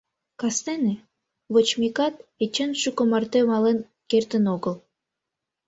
Кастене, вочмекат, Эчан шуко марте мален кертын огыл.